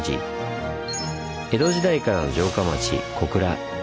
江戸時代からの城下町小倉。